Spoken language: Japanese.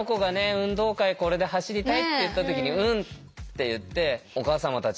「運動会これで走りたい？」って言った時に「うん」って言ってお母様たちうれしかったと思うし。